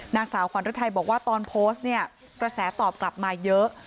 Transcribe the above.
นางสาวขวัญฤทัยบอกว่าตอนโพสต์เนี่ยกระแสตอบกลับมาเยอะ